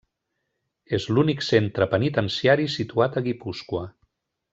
És l'únic centre penitenciari situat a Guipúscoa.